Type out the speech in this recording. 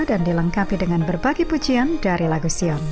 dan dilengkapi dengan berbagi pujian dari lagu sion